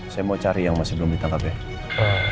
saya mau cari yang masih belum ditangkap ya